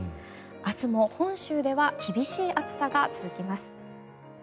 明日も本州では厳しい暑さが続きます。